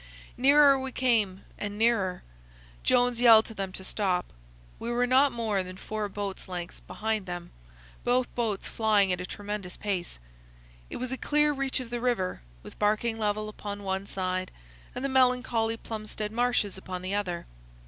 Nearer we came and nearer. Jones yelled to them to stop. We were not more than four boat's lengths behind them, both boats flying at a tremendous pace. It was a clear reach of the river, with Barking Level upon one side and the melancholy Plumstead Marshes upon the other.